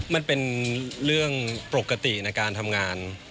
มันเป็นเรื่องปกติในการทำงาน